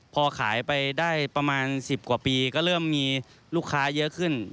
พอขายไปได้ประมาณ๑๐กว่าปีก็เริ่มมีลูกค้าเยอะขึ้น